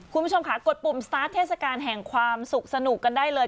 คุณผู้ชมค่ะกดปุ่มสตาร์ทเทศกาลแห่งความสุขสนุกกันได้เลย